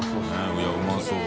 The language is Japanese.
いやうまそう。